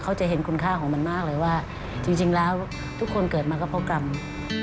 เขาจะเห็นคุณค่าของมันมากเลยว่า